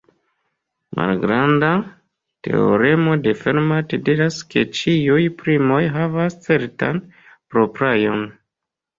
Malgranda teoremo de Fermat diras ke ĉiuj primoj havas certan propraĵon.